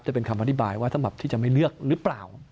จะเป็นคำอธิบายว่าสำหรับที่จะไม่เลือกหรือเปล่า